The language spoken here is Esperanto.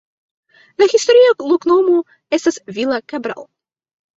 La historia loknomo estis Vila Cabral.